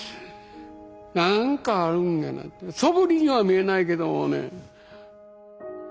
何かあるんやなそぶりには見えないけどね。